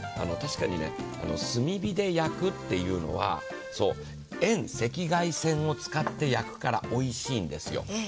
確かに炭火で焼くというのは、遠赤外線を使って焼くからおいしいんですよ。